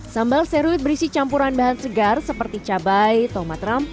sambal seruit berisi campuran bahan segar seperti cabai tomat rampa